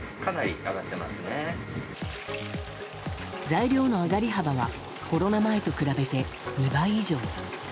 材料の上がり幅はコロナ前と比べて２倍以上。